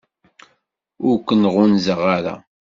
Ur ken-ɣunzaɣ ara.